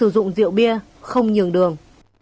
rượu bia không nhường đường